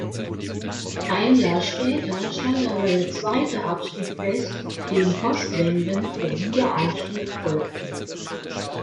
Ein Jahr später stand aber der zweite Abstieg fest, dem postwendend der Wiederaufstieg folgte.